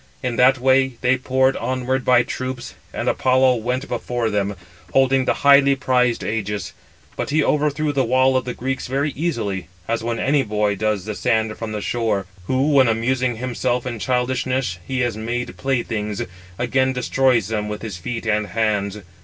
In that way they poured onward by troops, and Apollo [went] before them, holding the highly prized ægis. But he overthrew the wall of the Greeks very easily, as when any boy does the sand from the shore; who, when amusing himself in childishness he has made playthings, again destroys them with his feet and hands.